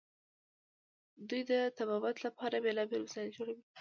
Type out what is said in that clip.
دوی د طبابت لپاره بیلابیل وسایل جوړوي.